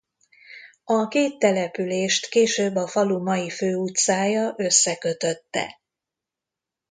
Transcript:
A két települést később a falu mai főutcája összekötötte.